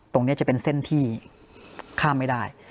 ตรงนี้จะเป็นเส้นที่ข้ามไม่ได้